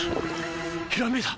ひらめいた！